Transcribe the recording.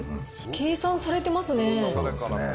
計算されてますね。